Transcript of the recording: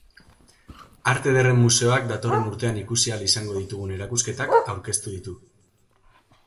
Arte ederren museoak datorren urtean ikusi ahal izango ditugun erakusketak aurkeztu ditu.